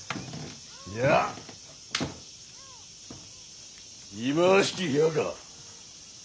いや忌まわしき部屋か？